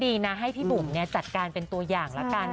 แต่ก็ดีนะให้พี่บุ๋มเนี้ยจัดการเป็นตัวอย่างละกัน